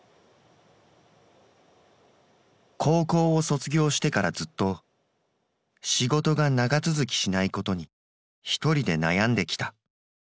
高校を卒業してからずっと仕事が長続きしないことにひとりで悩んできた。